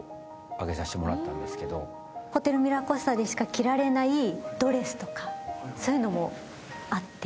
ホテルミラコスタでしか着られないドレスとかそういうのもあって。